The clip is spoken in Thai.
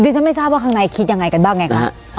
ฉันไม่ทราบว่าข้างในคิดยังไงกันบ้างไงคะ